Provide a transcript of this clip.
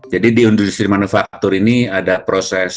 jadi di industri manufaktur ini ada proses